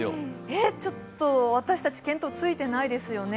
ちょっと私たち見当がついてないですよね。